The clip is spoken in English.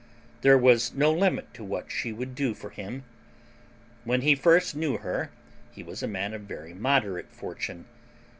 There was no limit to what she would do for him. When he first knew her he was a man of very moderate fortune.